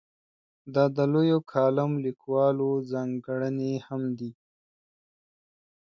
دا د لویو کالم لیکوالو ځانګړنې هم دي.